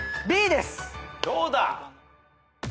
どうだ？